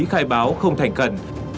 khai báo không thành cần